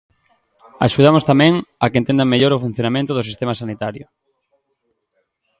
Axudamos tamén a que entendan mellor o funcionamento do sistema sanitario.